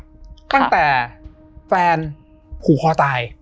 ตั้งแต่แฟนผูกคอตาย